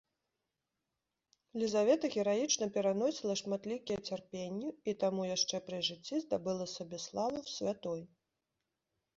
Лізавета гераічна пераносіла шматлікія цярпенні і таму яшчэ пры жыцці здабыла сабе славу святой.